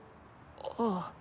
ああ。